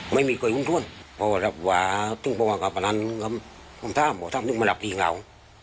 ไม่มีค่อยหุ้นทวนพอรับว่าต้องบอกว่ากับอันนั้นผมถามว่าต้องมารับที่เหงา